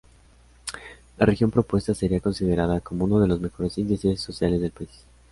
La región propuesta sería considerada como uno de los mejores índices sociales del país.